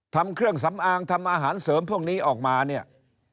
ทำเครื่องสำอางทำอาหารเสริมพวกนี้ออกมาเนี่ย